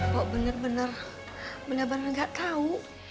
pok bener bener gak tau